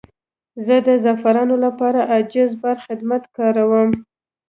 زه د زعفرانو لپاره عاجل بار خدمت کاروم.